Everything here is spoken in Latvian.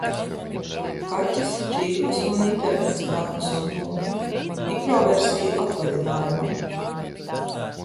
Kaķis, čības un internets, dāmas un kungi. Mikroversija atvaļinājumam.